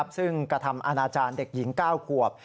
ซึ่งกระทำอาณาจารย์เด็กหญิง๙ขวบ